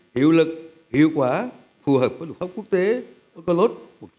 hiệu lực hiệu quả phù hợp với luật pháp quốc tế úc lốt một nghìn chín trăm tám mươi hai